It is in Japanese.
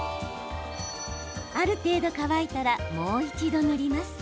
ある程度、乾いたらもう一度塗ります。